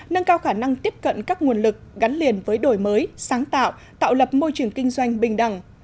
nâng cao khả năng tiếp cận các nguồn lực gắn liền với đổi mới sáng tạo tạo lập môi trường kinh doanh bình đẳng